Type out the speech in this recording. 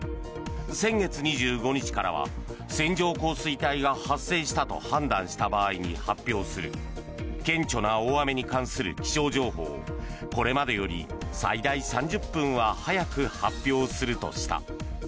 先月２５日からは線状降水帯が発生したと判断した場合に発表する顕著な大雨に関する気象情報をこれまでより最大３０分早く発表するとした。